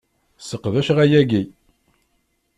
Seqdaceɣ ayagi.